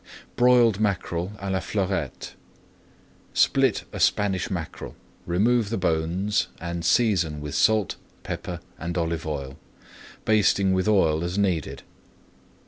BROILED MACKEREL À LA FLEURETTE Split a Spanish mackerel, remove the bones, and season with salt, pepper, and olive oil, basting with oil as needed.